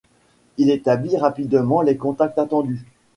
Il établit rapidement les contacts attendus.